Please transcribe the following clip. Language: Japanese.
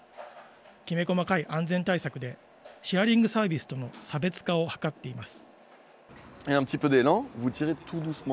きめ細かい安全対策で、シェアリングサービスとの差別化を図っています。